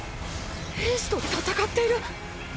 兵士と戦っている⁉